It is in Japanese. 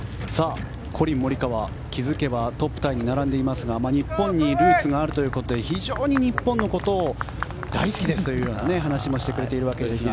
コリン・モリカワは気づけばトップタイに並んでいますが日本にルーツがあるということで非常に日本のことを大好きですという話もしてくれているわけですが。